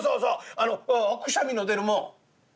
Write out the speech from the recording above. あのくしゃみの出るもん」。